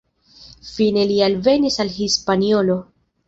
Fine li alvenis al Hispaniolo.